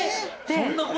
そんな事？